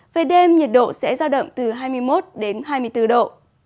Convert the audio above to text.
về đêm nhiệt độ sẽ giao động từ hai mươi một đến hai mươi bốn độ